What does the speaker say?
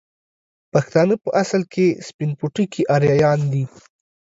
پښتانه په اصل کې سپين پوټکي اريايان دي